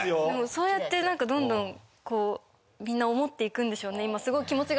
そうやってどんどんみんな思っていくんでしょうね。